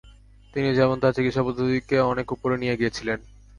তিনি যেমন তার চিকিৎসা পদ্ধতিকে অনেক উপরে নিয়ে গিয়েছিলেন।